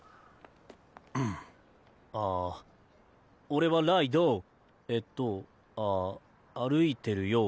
俺はライドウえっとああ歩いてるよ